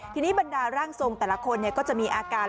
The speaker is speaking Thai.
ทีนี้บรรดาร่างทรงแต่ละคนก็จะมีอาการ